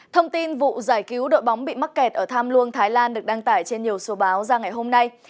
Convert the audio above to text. thông tin vụ giải cứu đội bóng bị mắc kẹt ở tham luông thái lan được đăng tải trên nhiều số báo ra ngày hôm nay